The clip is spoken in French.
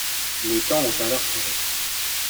Les temps ont alors changé.